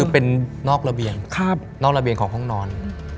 เป็นนอกละเบียงของห้องนอน